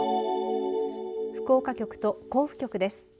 福岡局と甲府局です。